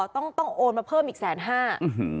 ต้องโอนมาเพิ่มอีก๑๕๐๐๐๐บาท